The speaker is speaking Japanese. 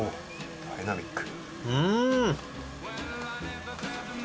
ダイナミック。